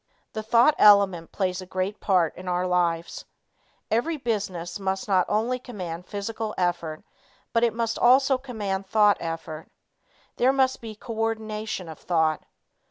The thought element plays a great part in our lives. Every business must not only command physical effort but it must also command thought effort. There must be co ordination of thought.